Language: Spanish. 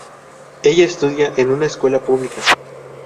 Ella estudia en una escuela pública.